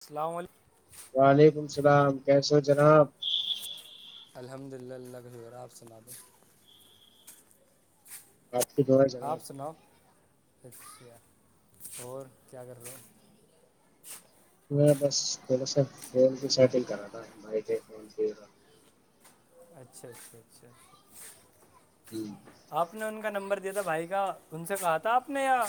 السلام علیکم وعلیکم اللام کیسے ہو جناب الحمد للہ اللہ گھار آپ سنادیں آپ کو دوڑا جگب آپ سناؤ اچھا اور کیا کر رہ میں بس تھوڑا سا فون بھی سیٹل کرا تھا ہماری تھ فون پ اچھا اچھا اچھا ہوں، آپ نے ان کا نمبر د تھا بھائی کا ان سے کہا تھا آپ نے یا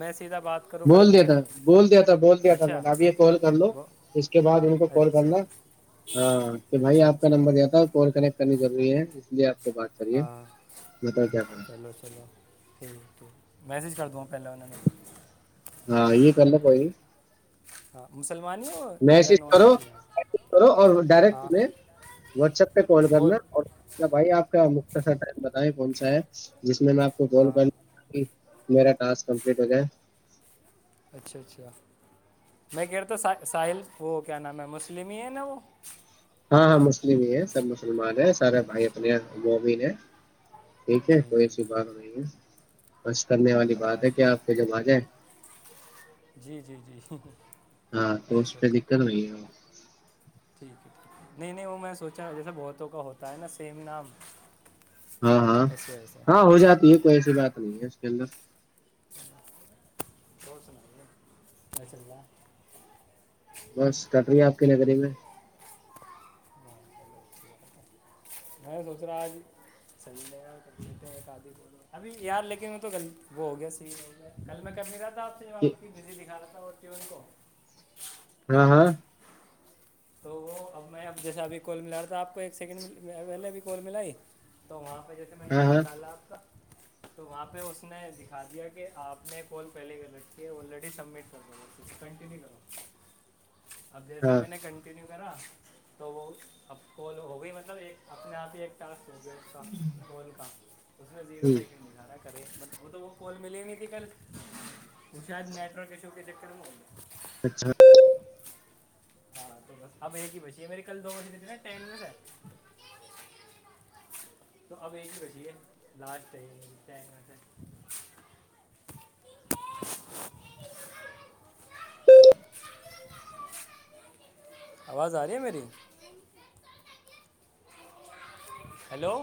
میں سے سیدھا بات کروں پھر بول ان دیا تھا بول دیا تھا بول دیا تھا میں اچھا نے اب یہ کال کر لو وہ اس کے بعد ان کو کال اچھا کرنا ہاں کہ بھائی اچھا آپ کا اچھا نمبر دیا تھا کال کر کرنی ضروری ہے اس لیے آپ کو بات کریے ہاں بتاؤ کیا کریں چلو چلو ٹھیک ٹھیک میسج کر دو پہلے ان نے ہاں یہ کر ل کوئی ہاں مل میسج کرو و کرو اور ہاں ڈائریکٹ میں واٹسپ پہ کال کول کرنا اور بھائی آپ کا سا ٹائم بتائیں کون سا ہے جس میں میں آپ کو ہاں کال کر ہاں میرا ٹاسک کمپلیٹ ہو جائے اچھا اچھا میں کہہ رہتا ساحل وہ کیا نام ہے مسلم ہی ہے نا وہ ہاں ہاں مسلملی بھی ہے سب م سلمان ہے سارے بھائی اچھا اپنے مو بھین ہے جی ٹھیک ہے کوئی جی ایسی جی بات نہیں ہے بس کرنے والی چلو بات ہے ماشاء کیا آپ کے اللہ جم آ جائے جی جی جی ہاں تو بے اس پہ شک دقت نہیں ہے ٹھیک ہے ٹھیک ہے نہیں نہیں وہ میں سوچا جیسا بہتوں کا ہوتا ہے نا سیم نام ہاں ہاں اس وجہ سے ہاں ہو جاتی ہے کوئی ایسی بات نہیں ہے چند سناے و چللہ بس کٹ رہی ہے آپ کی نگری میں میں سوچ رہا آجحیح ابھی یار لے کے ہو تو کل وہ ہو گیا سی کل میں کب نہیں رہ آپ کی بزی دکھا تھا پون کو ہاں ہاں تو وہ اب میں اب جیسا ابھی کال ملا رہا تھا آ کو ایک سیکنڈ پہلےب کال ملاائی تو وہاں جیس سے میں نے ہاں ہاں نمبر ڈالا آپ کا تو وہاں پہ اس نے دکھا دیا کہ آپ نے کال پہلے کر رکھیے آلریڈی سبمٹ کر دوں گا اسے کنٹینیو کرو اب جیسے ہاں میں نے کن غیرا تو وہ اب کو ہو گئی مطلب ایک اپنے آپ ہی ایک طرف کا فون کا اس میں زیرو سیکنڈ دکھا رہا ہے کرے مطب وہ تو وہ کال ملی ہی نہیں تھی کل وہ شاید نیٹ ورک ایشو کی در نہیں کچ ہاں تو بس آب ایک گی پچ ا مری کل دو بجی دی تھی ن م میں س تو اب ایک بجی ہے لاجے سے آواز آ رہی ہے میری ہیلو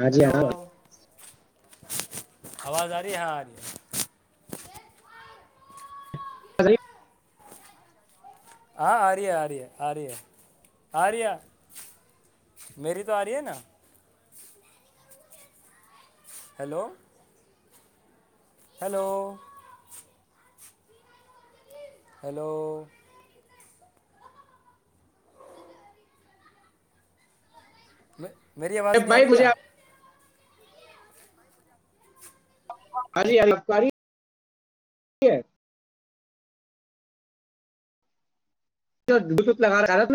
ہاں جی ہیلو ہاں آواز آ رہی ہاں آ رہی اے ہاں آ رہی ہے آ رہی ہے آ رہی ہے آ رہی ہے میری تو آ رہی ہے نا ہیلو ہیلو ہیلو میں میری آواز نہیں آ بھائی رہی مجھے کیا ہاں جی الاری ج لگا رہا ہےت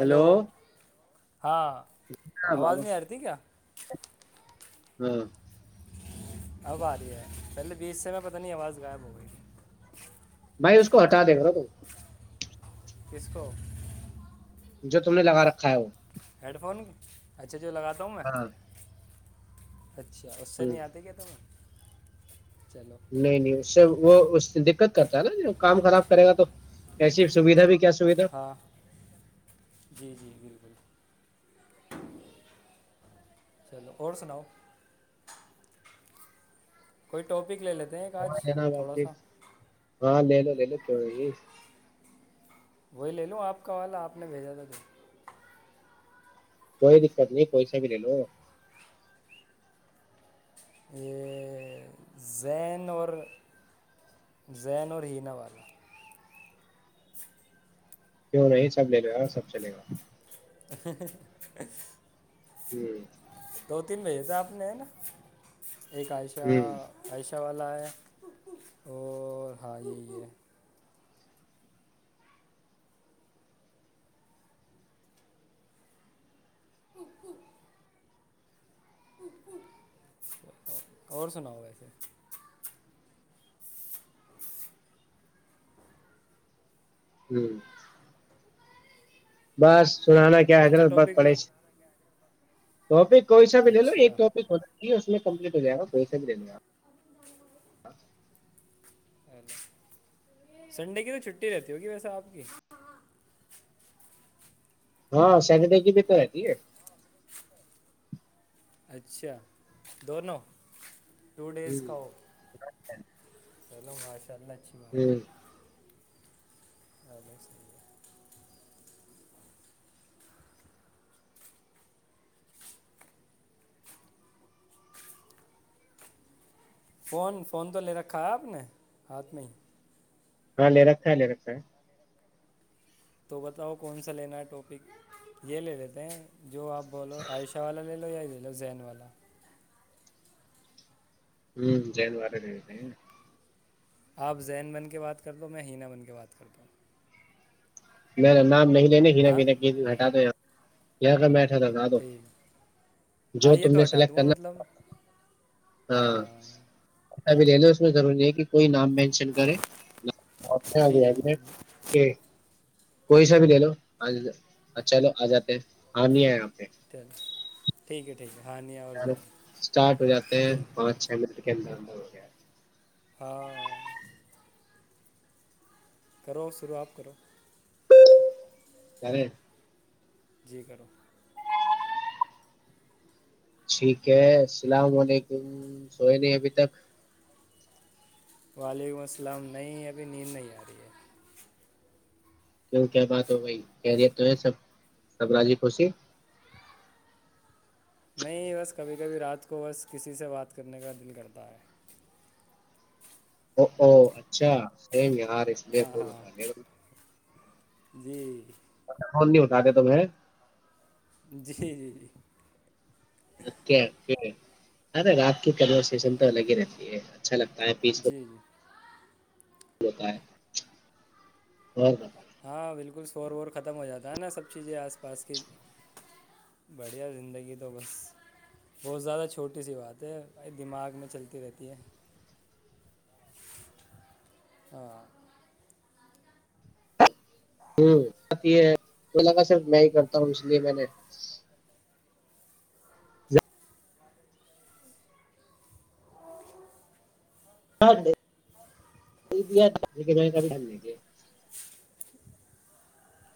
ہیلو ہاں ہاں آواز بابا نہیں آ رہتی کیا ہاں اب آ رہی ہے پہلے بیچ سے میں پتاہ نہیں آواز غائب ہو گئی بھائی اس کو ہٹا دے گرو کسکو جو تم نے لگا رکھا ہے وہ ہیڈ فون اچھا مجھے لگاتا ہوں میں ہاں اچھا اس سے ہ نہیں آتے کیا تم نہیں نہیں اس سے ٹھیک ہے وہ اس دقت کرتا نا کام خراب کرے گا تو ایسی سویدھا بھی کیا سویدھا ہاں جی جی بالکل چلو اور سناؤ کوئی ٹاپک لے لیتے ہیں وہاں آج ج نا تھوڑا واپس سا ہاں ل د ل کی ہوئے جی وہی لے لو آپ کا والا آپ نے بھیجا تھا تو کوئی دقت نہیں پیسے بھی لے لو یہ زین اور زین اور حنا والا کیوں نہیں سب لے ل گا سب چلے گا ہ [inaudible] ہوں دو تین بجے سے آپ نے ہے نا ایک عائشہ ہ عش اھا والا ہے اور ہ یہ ہے اور سناؤ ویسے ہوں بس سنانا کیا کون سا حیدرتباد ٹاپک پڑے لو سے تو آپ پیسہ پہ لو ایک اچھا ٹپک ہوتا جی اس میں کمپلیٹ ہو جائے گا پیسے بھی لنے گا [inaudible] سنڈے کی تو چھٹی رہتی ہوگی ویسا آپ کی ہاں سیٹرڈے کی بھی تو رہتی ہے اچھا دونوں ٹو ڈیز کا ہو ہ چلوں گا چلچھی باتی ہ اورے صی ہے فون فون تو لے رکھا ہے آپ نے ہاتھ میں ہی ہاں لے رکھا ہے لے رکھا ہے تو بتاؤ کون سا لینا ہے ٹاپک یہ لے لیتے ہیں جو آپ بولو عائشہ والا لے لو یا لو ین والا ہوں جین وار د رہے آپ زین بن کے بات کر دو ہو میں حناہ بن کے بات کرتا ہوں نہیں ن نام نہیں ج ہاں گٹاتا [inaudible] اچھا لگا دو ٹھیک جو ہاں یہ تم تو نے ہٹا سلیکٹ دوں گا کرنا مطلب ہاں اچھا بھی لے لے اس میں ضروری ہے کہ کوئی نام مینشن کر جی گیا جی جی جی کوئی سا بھی لے لو آ چلو آ جاتے ہیں ہم نہیں آئے آپ [inaudible] [inaudible] ارو زین اسٹارٹ ہو جاتے ہیں ٹھیک ہے پانچ چھ منٹ [inaudible] ہاں کرو شروعات کرو ارے [inaudible] ٹھیک ہے اللام ععلیکم سوئے نہیں ابھی تک وعلیکم السلام نہیں ابھی نیند نہیں آ رہی ہے کیوں کیا بات ہو بھائی کہری تو ہے سب سبراجی خوشی نہیں بس کبھی کبھی رات کو بس کسی سے بات کرنے کا دل کرتا ہے او او اچھا سم یار س لی پ ہاں ہاں جی کون نہیں بتاتے تمہیں جی جی جی رے رات کی کنورسشن تو الگ ہی رہتی ہے اچھا لگتا ہے پیس کو جی جی بتا ہو گ ہاں بالکل شور وور ختم ہو جاتا ہے نا سب چیزیں آس پاس کی بڑھیا زندگی تو بس بہت زیادہ چھوٹی سی بات ہے دماغ میں چلتی رہتی ہے ہاں ہ بات یہ ہے تو لگا صرف میں ہی کرتا ہوں اس لیے میں نے بھی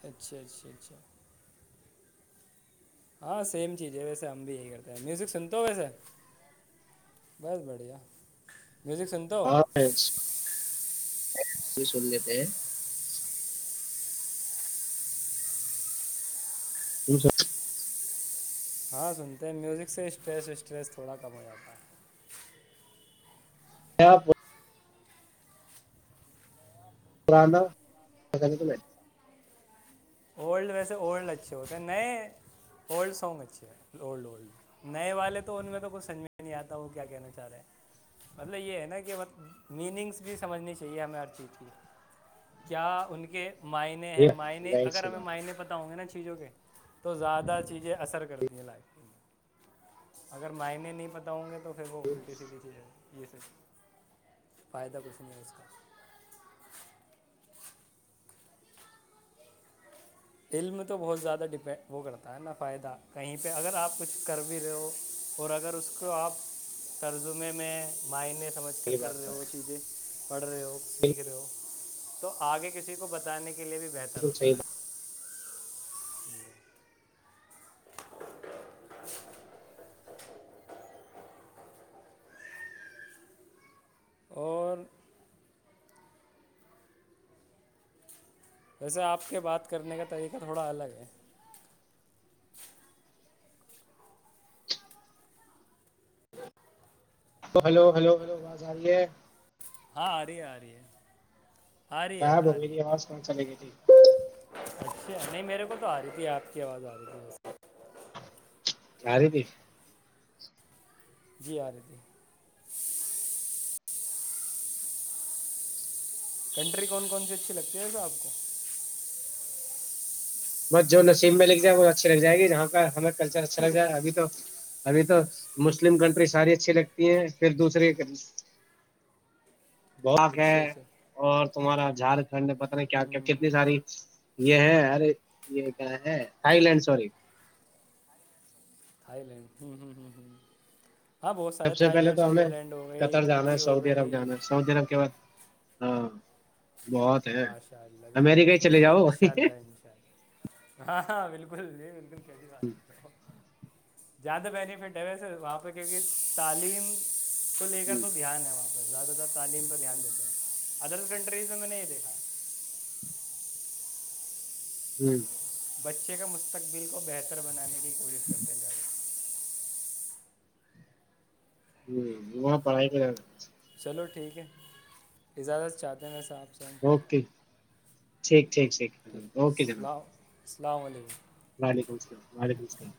اچھا اچھا اچھا ہاں سیم چیز ہے ویسے ہم بھی یہی کرتے ہیں میوزک سنتا ہو ویسے بس بڑھیا مزی کن توو کی سن لیتے ہیں ا سا ہاں سنتے ہیں میوزک سے اسٹریس اسٹریس تھوڑا کم ہو جاتا ہے کیاپ پرانا اولڈ ویسے اولڈ اچھے ہوتے ہیں نئے اولڈ سانگ اچھے ہیں اولڈ اولڈ نئے والے تو ان میں تو کچھ سمجھ میں نہیں آتا وہ کیا کہنا چاہ رہے ہیں مطلب یہ ہے نا کہ میننگس بھی سمجھنی چاہیے ہمیں ہر چیز کی کیا ان کے معنے ہیں معنے ظاہر اگر سی ہمیں بات معینے پتاؤں گا چیزوں کے تو زیادہ چیزیں اثر کرتی ہیں لائف اگر معنی نہیں بتا ہوں گے تو پھر ہوی س گ جیز ہے یہ سب فائدہ کچھ نہیں ہے اس کا دل میں تو بہت زیادہ ڈپینڈ وہ کرتا ہے نا فائدہ کہیں پہ اگر آپ کچھ کر بھی رہے ہو اور اگر اس کو آپ ترزمے میں معنے سمجھ ہے کر یہ کر بات رہے تو ہو ہے وہ چیزیں پڑھ رہے ہو سیکھ رہے ہو تو آگے کسی کو بتانے کی کے لیے بھی بہتر بالکل ہوتا صحیح ہے بات ہوں [unintelligible] اور ویسے آپ کے بات کرنے کا طریقہ تھوڑا الگ ہے ج تو ہلو ہلو ہلو واز آی ہے ہاں آ رہی ہے آ ری ہے آ ہ رہی ہے آ رہی [inaudible] ہے آواز کہا چلے گئی تھی اچھا نہیں میرے کو تو آ رہی تھی آپ کی آواز آ رہی تھی آاری تھی جی آ رہی تھی کنٹری کون کون سی اچھی لگتی ہےا آپ کو بس جو نصیب میں لکھ جائے پ وہ اچھی لگ جائے گی جہاں کا ہمیں اچھا لگ رہا ہے ابھی تو ابھی تو مسلم کنٹری ساری اچھی لگتی پھر دوسرے کر بک ہے اچھا اچھا اور تمہارا جھارکھڈ [inaudible] ٹھنڈ پتا نہیں کیا کیا کتنی ہوں ساری یہ ہے ارے یہ کہ ہے تھائی لینڈ سوری تھی لینڑ ہہم ہہم سب سے پہلے تو ہمیں قطر جانا ہے ترکی ہو سعودی عرب گئی جانا ہے سعودی عرب کے بعد [unintelligible] ہے امیریکہ ہی چلے جاؤ ہ [unintelligible] ہاں ہاں بالکل جی بالکل کیسی بات ہے [inaudible] زیادہ بینیفٹ ہے ویسے وہاں پہ کیونکہ تعلیم تو لے کر تو دھیان ہے واپس [unintelligible] [inaudible] بچے کا مستقبل کو بہتر بنانے کی کوشش کرتے جے ہ وہاں پڑھائی کے چلو ٹھیک ہے اجازت چاہتے ہیں ویسا آپ سے ہم اوکے ٹھیک ٹھیک ٹھیک اوکے جناب السلام علیکم وعلیکم السلام وعلیکم السلام